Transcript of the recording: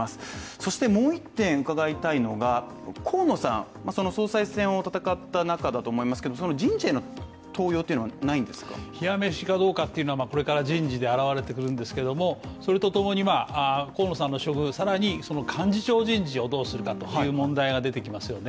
そしてもう一点伺いたいのが、河野さん、その総裁選を戦った仲だと思いますけどその人事の登用というのはないんですか冷や飯かどうかっていうのはこれから人事で現れてくるんですけども、それとともに河野さんの処遇さらにその幹事長人事をどうするかという問題が出てきますよね。